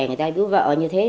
người ta bíu vợ như thế